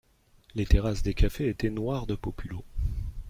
Les terrasses des cafés étaient noires de populo.